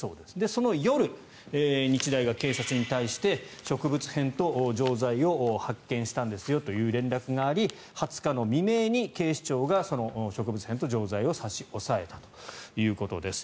その夜、日大が警察に対して植物片と錠剤を発見したんですよという連絡があり２０日の未明に警視庁がその植物片と錠剤を差し押さえたということです。